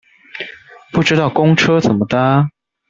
不知道公車怎麼搭